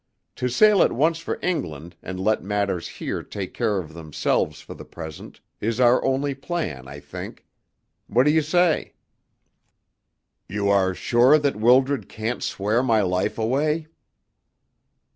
To sail at once for England, and let matters here take care of themselves for the present, is our only plan, I think. What do you say?" "You are sure that Wildred can't swear my life away?"